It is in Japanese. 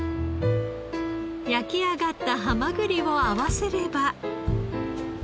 焼き上がったハマグリを合わせれば。